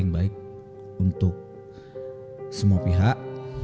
yang baik untuk semua pihak